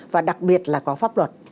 và đặc biệt là có pháp luật